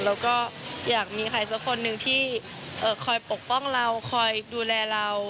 แล้วก็อยากมีใครสักคนหนึ่งที่คอยปกป้องเราคอยดูแลเรา